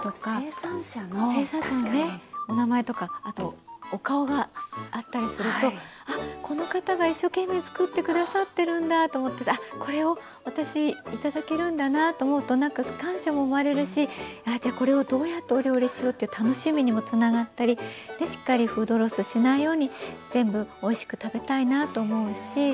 生産者のねお名前とかあとお顔があったりするとあっこの方が一生懸命作って下さってるんだと思ってこれを私頂けるんだなと思うとなんか感謝も生まれるしじゃあこれをどうやってお料理しようっていう楽しみにもつながったりしっかりフードロスしないように全部おいしく食べたいなと思うし。